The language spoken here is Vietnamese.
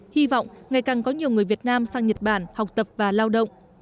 hy vọng ngày càng có nhiều người việt nam sang nhật bản học tập và lao động